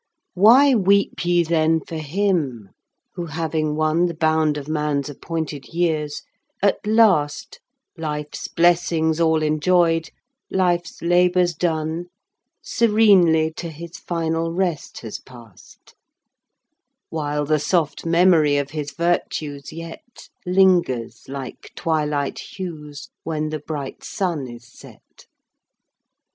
"Why weep ye then for him, who, having won The bound of man's appointed years, at last, Life's blessings all enjoyed, life's labours done, Serenely to his final rest has passed; While the soft memory of his virtues, yet, Lingers like twilight hues, when the bright sun is set?